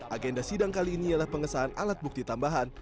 agenda sidang kali ini ialah pengesahan alat bukti tambahan